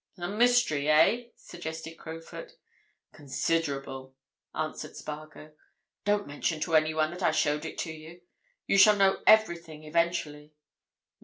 "Some mystery, eh?" suggested Crowfoot. "Considerable," answered Spargo. "Don't mention to anyone that I showed it to you. You shall know everything eventually."